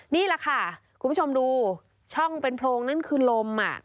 นี่แหละค่ะคุณผู้ชมดูช่องเป็นโพรงนั่นคือลม